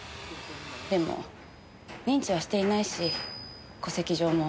でも認知はしていないし戸籍上も赤の他人です。